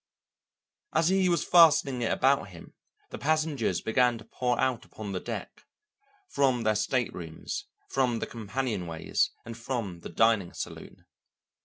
As he was fastening it about him, the passengers began to pour out upon the deck, from their staterooms, from the companionways, and from the dining saloon.